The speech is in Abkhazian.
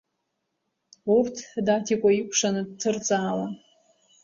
Урҭ Даҭикәа икәшаны дҭырҵаауан…